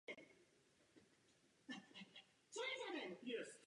S dorostenci Spartaku Bánovce nad Bebravou dokázal postoupit zpět do první ligy.